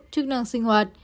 chức năng sinh hoạt